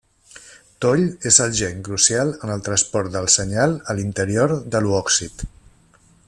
Toll és el gen crucial en el transport del senyal a l'interior de l'oòcit.